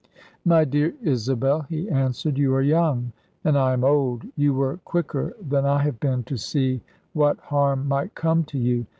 "My dear Isabel," he answered, "you are young, and I am old. You were quicker than I have been, to see what harm might come to you.